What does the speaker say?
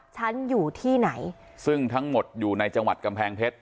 ฉันอยู่ที่ไหนซึ่งทั้งหมดอยู่ในจังหวัดกำแพงเพชร